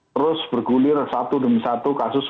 terus bergulir satu demi satu kasus